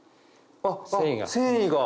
繊維が。